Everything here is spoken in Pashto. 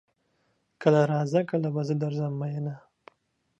کله راځه کله به زه درځم میینه